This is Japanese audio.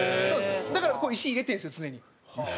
だからここに石入れてるんですよ常に。